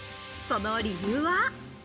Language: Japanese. その理由は。